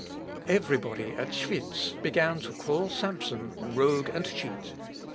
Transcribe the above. Every body at Schwitz began to call Samson rogue and cheat.